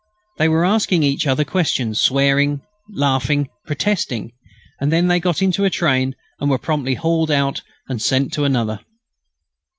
They were asking each other questions, swearing, laughing, protesting, and then they got into a train and were promptly hauled out and sent to another.